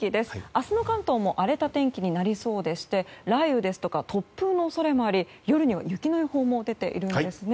明日の関東も荒れた天気になりそうでして雷雨ですとか突風の恐れもあり夜には雪の予報も出ているんですね。